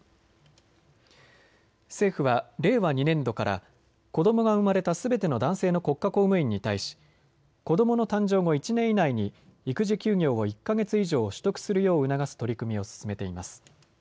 政府は令和２年度から子どもが生まれたすべての男性の国家公務員に対し子どもの誕生後１年以内に育児休業を１か月以上取得するよう促す取り組みを進めています。